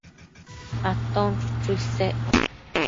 Aton chuchu isec